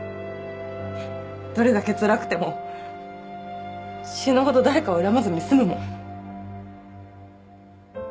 どれだけつらくても死ぬほど誰かを恨まずに済むもん。